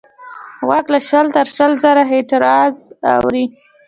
غوږ له شل تر شل زره هیرټز اوري.